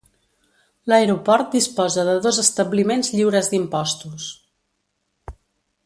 L'aeroport disposa de dos establiments lliures d'impostos.